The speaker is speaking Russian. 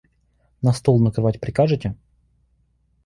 На стол накрывать прикажете?